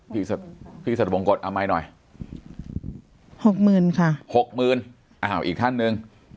พี่พี่สัจวงกฎเอาใหม่หน่อยหกหมื่นค่ะหกหมื่นอ้าวอีกท่านหนึ่ง